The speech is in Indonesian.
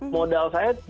modal saya bukan hanya